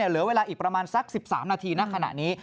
เหลือเวลาอีกประมาณสัก๑๓นาทีณขณะนี้